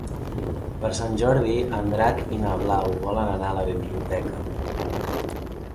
Per Sant Jordi en Drac i na Blau volen anar a la biblioteca.